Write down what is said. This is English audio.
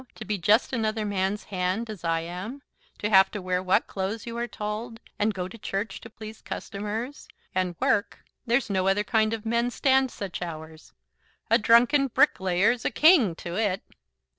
To be just another man's hand, as I am. To have to wear what clothes you are told, and go to church to please customers, and work There's no other kind of men stand such hours. A drunken bricklayer's a king to it."